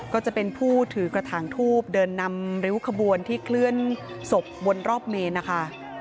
ก็จะเป็นผู้ถือกระถางทูบเดินนำริ้วขบวนที่เคลื่อนศพบนรอบเมนนะคะ